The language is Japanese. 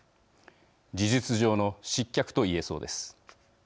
事実上の失脚と言えそうです。